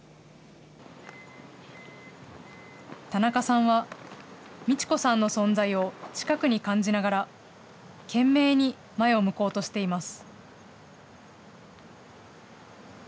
田中さんは路子さんの存在を近くに感じながら、懸命に前を向こうとしています。